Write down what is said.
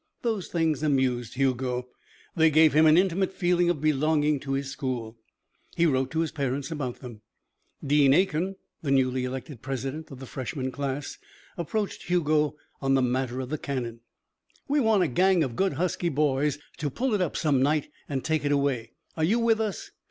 Those things amused Hugo. They gave him an intimate feeling of belonging to his school. He wrote to his parents about them. Dean Aiken, the newly elected president of the freshman class, approached Hugo on the matter of the cannon. "We want a gang of good husky boys to pull it up some night and take it away. Are you with us?"